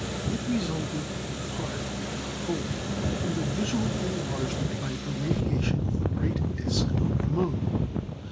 It resulted in part, if not wholly, from the visual enlargement by irradiation of the bright disc of the moon.